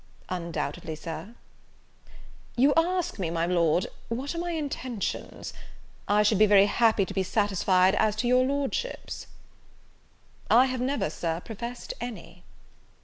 "Undoubtedly, Sir." "You ask me, my Lord, what are my intentions? I should be very happy to be satisfied as to your Lordship's." "I have never, Sir, professed any."